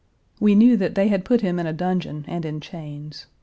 We knew that they had put him in a dungeon and in chains.